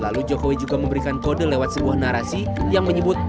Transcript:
lalu jokowi juga memberikan kode lewat sebuah narasi yang menyebut